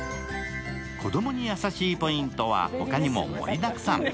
子供に優しいポイントは、他にも盛りだくさん。